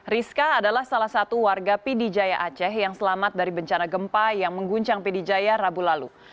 rizka adalah salah satu warga pidijaya aceh yang selamat dari bencana gempa yang mengguncang pd jaya rabu lalu